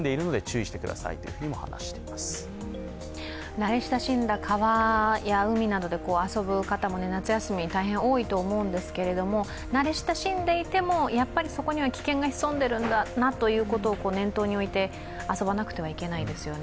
慣れ親しんだ川や海などで遊ぶ方も夏休み、大変多いと思うんですけれども、慣れ親しんでいてもやっぱりそこには危険が潜んでいるんだっていうことを念頭において遊ばなくてはいけないですよね。